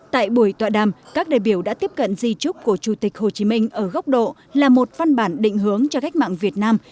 tại buổi tọa đàm các đại biểu đã tiếp cận di trúc của chủ tịch hồ chí minh ở góc độ là một văn bản định hướng cho cách mạng việt nam